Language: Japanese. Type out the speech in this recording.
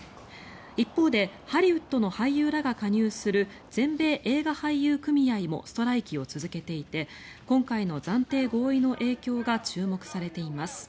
一方でハリウッドの俳優らが加入する全米映画俳優組合もストライキを続けていて今回の暫定合意の影響が注目されています。